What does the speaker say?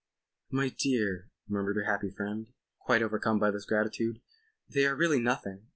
"My dear," murmured her happy friend, quite overcome by this gratitude. "They are really nothing.